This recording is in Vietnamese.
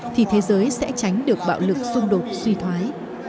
thì thế giới sẽ tránh được bạo lực xung đột suy thoái